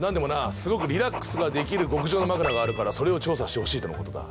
すごくリラックスができる極上のまくらがあるからそれを調査してほしいとのことだ。